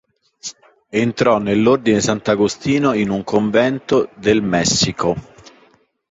Entrò nell'Ordine di Sant'Agostino in un convento del Messico.